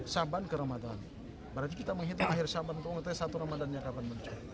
saban ke ramadan berarti kita menghitung akhir saban itu